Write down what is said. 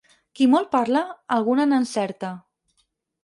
Qui molt parla, alguna n'encerta.